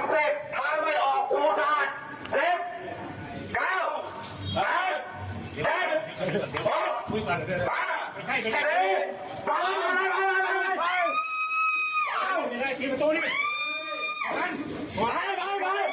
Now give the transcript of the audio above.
สามหนึ่งเสร็จสามไม่ออกโทรศาสตร์